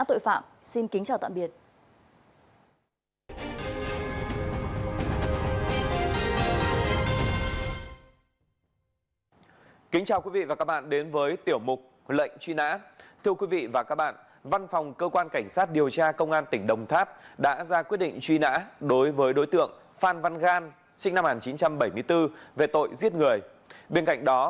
tội phạm xin kính chào tạm biệt